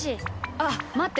あっまって！